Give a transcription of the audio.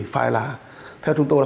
và vai trò chủ trì